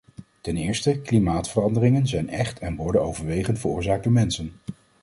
Ten eerste, klimaatveranderingen zijn echt en worden overwegend veroorzaakt door mensen.